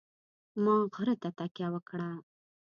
ما غره ته تکیه وکړه.